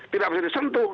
tidak bisa disentuh